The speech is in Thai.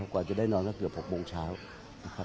ก่อนจะได้นอนก็เกือบ๖โมงเช้า